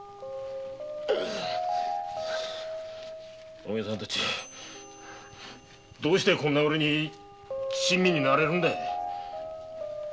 お前さんたちどうしてこんなおれに親身になれるんだい？